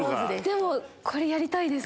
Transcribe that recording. でもこれやりたいです。